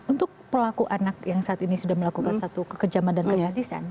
untuk pelaku anak yang saat ini sudah melakukan satu kekejaman dan kesadisan